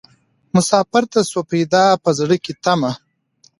مسافر ته سوه پیدا په زړه کي تمه